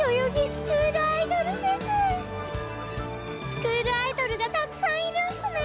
スクールアイドルがたくさんいるんすね！